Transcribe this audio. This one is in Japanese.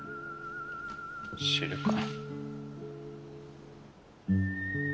知るか。